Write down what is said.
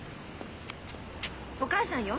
お母さんよ。